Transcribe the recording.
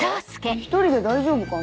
１人で大丈夫かな？